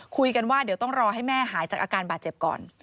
คุยกันว่าเดี๋ยวต้องรอให้แม่หายจากอาการบาดเจ็บก่อน